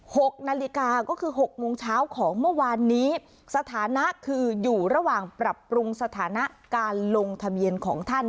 หกนาฬิกาก็คือหกโมงเช้าของเมื่อวานนี้สถานะคืออยู่ระหว่างปรับปรุงสถานะการลงทะเบียนของท่าน